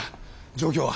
状況は？